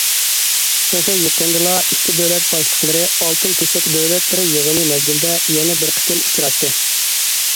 تېخى يېقىندىلا ئىككى دۆلەت باشلىقلىرى ئالتۇن كېسەك دۆلەتلىرى يىغىنى مەزگىلىدە يەنە بىر قېتىم ئۇچراشتى.